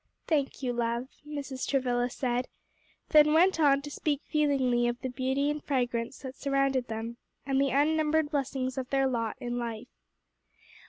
"Thank you, love," Mrs. Travilla said; then went on to speak feelingly of the beauty and fragrance that surrounded them, and the unnumbered blessings of their lot in life.